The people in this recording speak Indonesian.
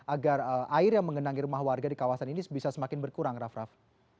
agar air yang mengenangi rumah warga di kawasan ini bisa semakin berkurang raff raff